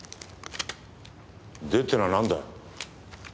ってのはなんだよ。